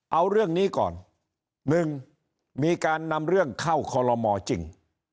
เอาเรื่องนี้ก่อน๑มีการนำเรื่องเข้าคอลโลมอจริง